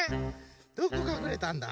どこかくれたんだ？